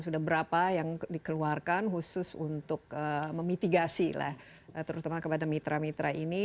sudah berapa yang dikeluarkan khusus untuk memitigasi lah terutama kepada mitra mitra ini